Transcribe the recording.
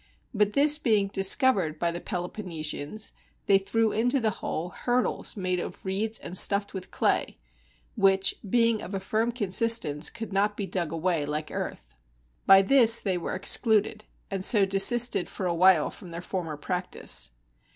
But this being discovered by the Peloponne sians, they threw into the hole hurdles made of reeds and stuffed with clay, which being of a firm consistence could not be dug away like earth. By this they were excluded, and so desisted for a while from their former practice.